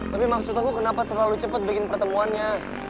tapi maksud aku kenapa terlalu cepat bikin pertemuannya